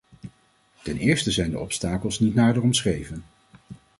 Ten eerste zijn de obstakels niet nader omschreven.